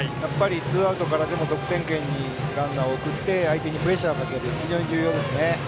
ツーアウトからでも得点圏にランナーを送って相手にプレッシャーをかけるのは非常に重要ですね。